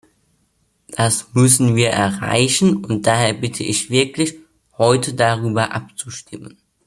Das müssen wir erreichen, und daher bitte ich wirklich, heute darüber abzustimmen.